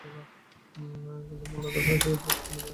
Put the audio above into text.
কিন্তু মূলত, এসবের প্রতি তোমাদের মুগ্ধতাকে কাজে লাগাচ্ছে সে।